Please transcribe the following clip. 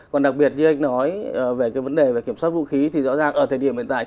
còn đặc biệt như anh nói về cái vấn đề về kiểm soát vũ khí thì rõ ràng ở thời điểm hiện tại